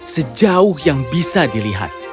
sejauh yang bisa dilihat